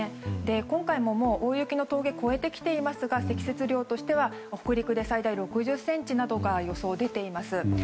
今回も大雪の峠は越えてますが積雪の予想としては北陸で最大６０ｃｍなどの予想が出ています。